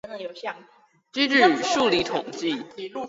機率與數理統計